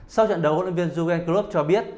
sau trận đấu huấn luyện viên jugendklub cho biết